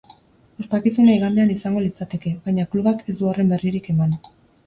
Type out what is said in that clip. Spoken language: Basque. Ospakizuna igandean izango litzateke, baina klubak ez du horren berririk eman.